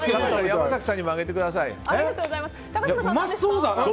山崎さんにもあげてください。